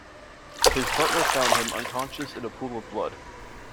His butler found him unconscious in a pool of blood.